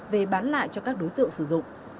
về bán lại cho các đối tượng sử dụng